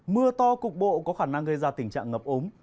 mưa to cục bộ có khả năng gây ra tình trạng ngập ống